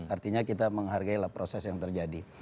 artinya kita menghargai proses yang terjadi